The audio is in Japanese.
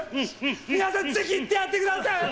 皆さんぜひ行ってやってください！